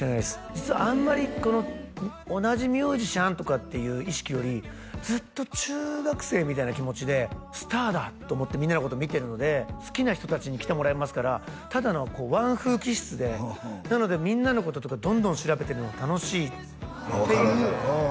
実はあんまりこの同じミュージシャンとかっていう意識よりずっと中学生みたいな気持ちで「スターだ！」と思ってみんなのこと見てるので好きな人達に来てもらいますからただの気質でなのでみんなのこととかどんどん調べてるのが楽しいっていう分かる分かるうんうん